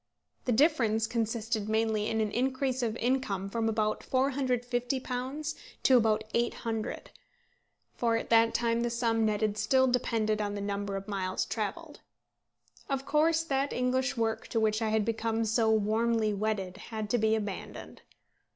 The difference consisted mainly in an increase of income from about £450 to about £800; for at that time the sum netted still depended on the number of miles travelled. Of course that English work to which I had become so warmly wedded had to be abandoned.